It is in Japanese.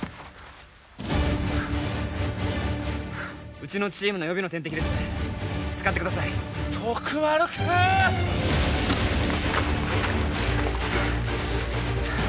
うちのチームの予備の点滴です使ってください徳丸くん！